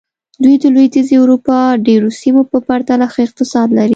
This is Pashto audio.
دوی د لوېدیځې اروپا ډېرو سیمو په پرتله ښه اقتصاد لري.